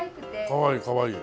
かわいいかわいい。